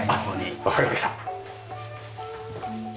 あっわかりました。